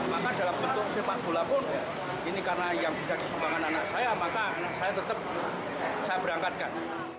maka dalam bentuk sepak bola pun ini karena yang sudah disumbangkan anak saya maka saya tetap saya berangkatkan